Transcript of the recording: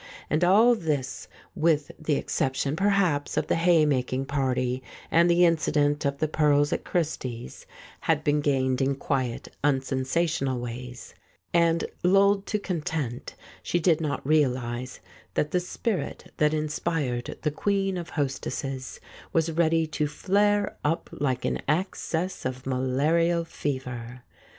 And all this, with the exception, per haps, of the haymaking party and the incident of the pearls at Christie's, had been gained in quiet, unsensational ways; and, lulled to content, she did not realize that the spirit that inspired the queen of hostesses was ready to flare up like an access of malarial fever.